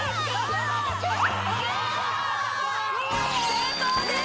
成功です！